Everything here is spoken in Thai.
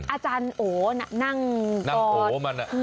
อาจารย์โอนะคะนั่งก่อน